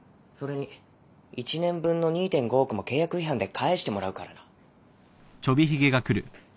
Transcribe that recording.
それに１年分の２．５億も契約違反で返してもらうからな。